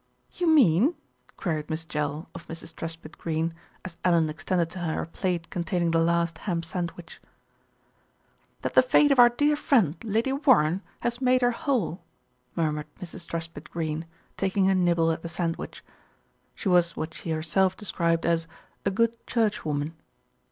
"You mean?" queried Miss Jell of Mrs. Truspitt Greene, as Ellen extended to her a plate containing the last ham sandwich. "That the faith of our dear friend, Lady Warren, has made her whole," murmured Mrs. Truspitt Greene, taking a nibble at the sandwich. She was what she herself described as "a good churchwoman."